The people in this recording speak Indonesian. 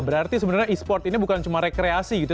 berarti sebenarnya e sport ini bukan cuma rekreasi gitu